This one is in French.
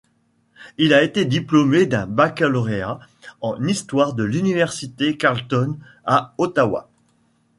Il a été diplômé d'un baccalauréat en histoire de l'Université Carleton à Ottawa.